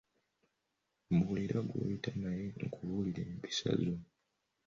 Mbuulira gw'oyita naye nkubuulire empisa zo.